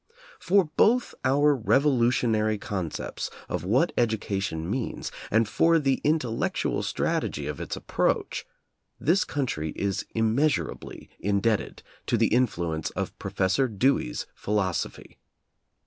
For both our revolutionary conceptions of what education means, and for the intellectual strategy of its approach, this country is immeasurably in debted to the influence of Professor Dewey's phi losophy.